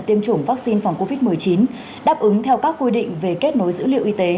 tiêm chủng vaccine phòng covid một mươi chín đáp ứng theo các quy định về kết nối dữ liệu y tế